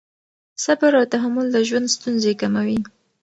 صبر او تحمل د ژوند ستونزې کموي.